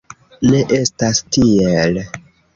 Ne estas tiel.